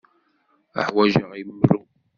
Uḥwaǧeɣ imru.